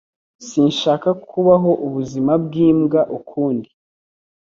Sinshaka kubaho ubuzima bwimbwa ukundi.